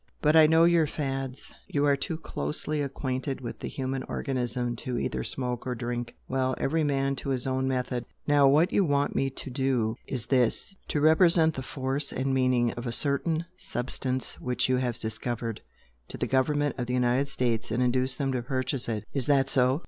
But I know your 'fads'; you are too closely acquainted with the human organism to either smoke or drink. Well every man to his own method! Now what you want me to do is this to represent the force and meaning of a certain substance which you have discovered, to the government of the United States and induce them to purchase it. Is that so?"